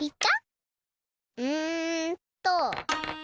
うんと。